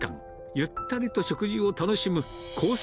ゆったりと食事を楽しむコース